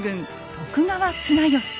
徳川綱吉。